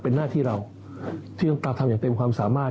เป็นหน้าที่เราที่ต้องการทำอย่างเต็มความสามารถ